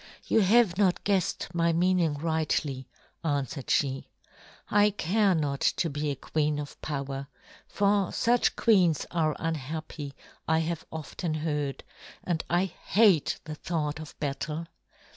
"You have not guessed my meaning rightly," answered she. "I care not to be a queen of power, for such queens are unhappy, I have often heard; and I hate the thought of battle.